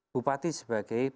bupati sebagai pimpinan